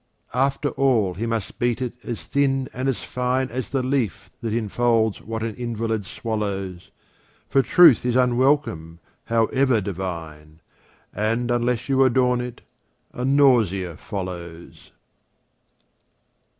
After all he must beat it as thin and as fine As the leaf that enfolds what an invalid swallows, For truth is unwelcome, however divine, And unless you adorn it, a nausea follows.